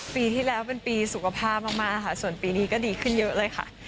ปีที่แล้วเป็นปีสุขภาพมากค่ะส่วนปีนี้ก็ดีขึ้นเยอะเลยค่ะ